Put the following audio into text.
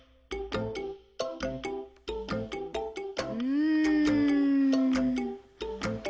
うん。